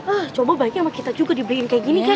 ah coba baiknya sama kita juga diberiin kayak gini kan